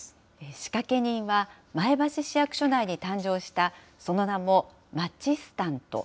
仕掛け人は、前橋市役所内に誕生した、その名もマチスタント。